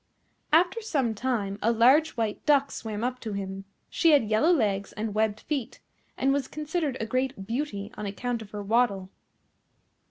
After some time a large White Duck swam up to him. She had yellow legs, and webbed feet, and was considered a great beauty on account of her waddle.